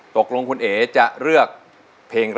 ตกลงคุณเอ๋จะเลือกเพลงอะไร